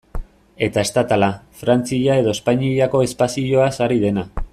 Eta estatala, Frantzia edo Espainiako espazioaz ari dena.